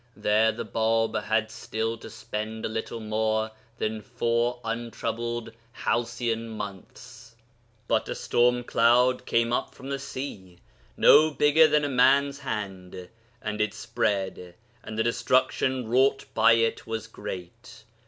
There the Bāb had still to spend a little more than four untroubled halcyon months. But a storm cloud came up from the sea, no bigger than a man's hand, and it spread, and the destruction wrought by it was great.